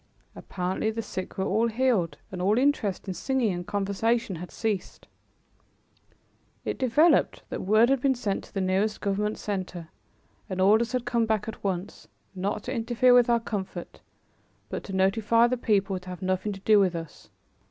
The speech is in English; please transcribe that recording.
Apparently the sick were all healed and all interest in singing and conversation had ceased. It developed that word had been sent to the nearest government center, and orders had come back at once, not to interfere with our comfort but to notify the people to have nothing to do with us.